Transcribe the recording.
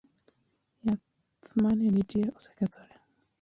Yath mane nitie osekethore